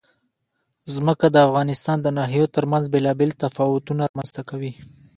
ځمکه د افغانستان د ناحیو ترمنځ بېلابېل تفاوتونه رامنځ ته کوي.